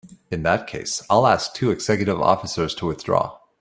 In that case I'll ask the two executive officers to withdraw.